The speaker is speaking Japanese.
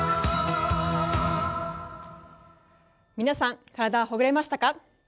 皆さん、体はほぐれましたか？